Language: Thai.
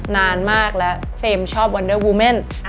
นานมากแล้วเฟรมชอบวันเดอร์วูเม่น